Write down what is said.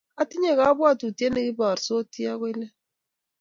atinye kabwitutie ne kiborsoti agoi let